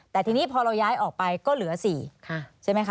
แต่ทีนี้พอเราย้ายออกไปก็เหลือ๔ใช่ไหมคะ